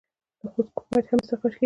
د خوست کرومایټ هم استخراج کیږي.